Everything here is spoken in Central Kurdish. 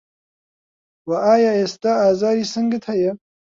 وه ئایا ئێستا ئازاری سنگت هەیە